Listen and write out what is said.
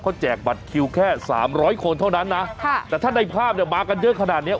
เขาแจกบัตรคิวแค่สามร้อยคนเท่านั้นนะค่ะแต่ถ้าในภาพเนี่ยมากันเยอะขนาดเนี้ย